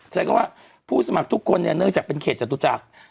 ฉันก็ว่าผู้สมัครทุกคนเนื่องจากเป็นเขตจตุจักร